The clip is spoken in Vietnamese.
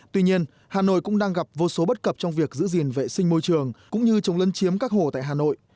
tuy nhiên hà nội cũng đang gặp vô số bất cập trong việc giữ gìn vệ sinh môi trường cũng như chống lân chiếm các hồ tại hà nội